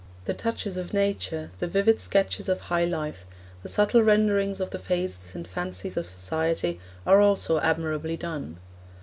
The touches of nature, the vivid sketches of high life, the subtle renderings of the phases and fancies of society, are also admirably done.